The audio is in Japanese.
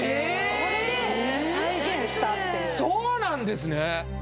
それで再現したっていうそうなんですね